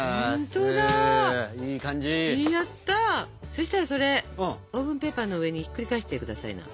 そしたらそれオーブンペーパーの上にひっくり返してくださいな。